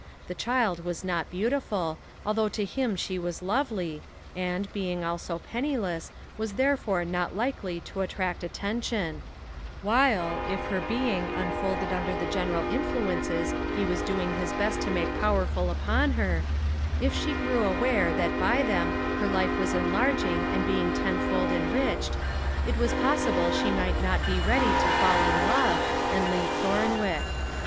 The child was not beautiful, although to him she was lovely, and, being also penniless, was therefore not likely to attract attention; while, if her being unfolded under the genial influences he was doing his best to make powerful upon her, if she grew aware that by them her life was enlarging and being tenfold enriched, it was possible she might not be ready to fall in love, and leave Thornwick.